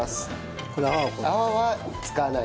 泡は使わない。